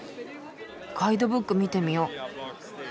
ガイドブック見てみよう。